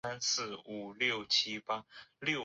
城大在科学及工程领域表现突出。